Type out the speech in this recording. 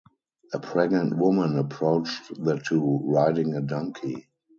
A pregnant woman approached the two, riding a donkey.